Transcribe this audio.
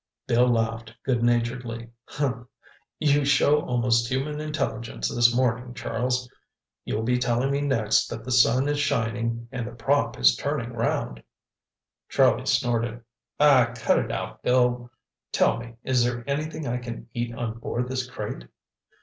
Bill laughed, goodnaturedly. "You show almost human intelligence this morning, Charles. You'll be telling me next that the sun is shining and the prop is turning round!" Charlie snorted. "Aw, cut it out, Bill. Tell me, is there anything I can eat on board this crate?"